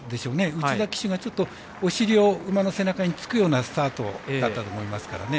内田騎手が馬の背中につくようなスタートだったと思いますからね。